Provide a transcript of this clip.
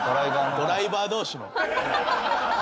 ドライバー同士の。